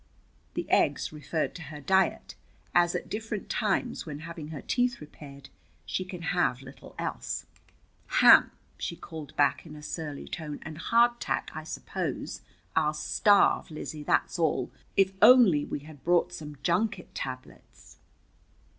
The eggs referred to her diet, as at different times, when having her teeth repaired, she can eat little else. "Ham," she called back in a surly tone, "and hard tack, I suppose! I'll starve, Lizzie, that's all. If only we had brought some junket tablets!"